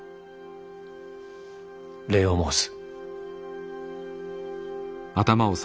礼を申す。